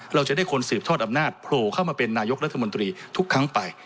เราจะได้คนสืบทอดอำนาจโผล่เข้ามาเป็นนายกรัฐมนตรีทุกครั้งไป